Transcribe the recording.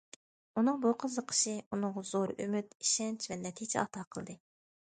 ئۇنىڭ بۇ قىزىقىشى ئۇنىڭغا زور ئۈمىد، ئىشەنچ ۋە نەتىجە ئاتا قىلدى.